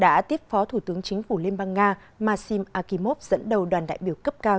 đã tiếp phó thủ tướng chính phủ liên bang nga masim akimov dẫn đầu đoàn đại biểu cấp cao